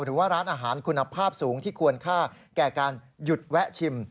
หรือว่าร้านอาหารคุณภาพสูงที่ควรค่าแก่การหยุดแวะชิม